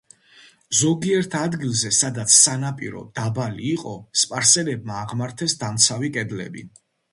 ზოგიერთ ადგილზე სადაც სანაპირო დაბალი იყო, სპარსელებმა აღმართეს დამცავი კედლები.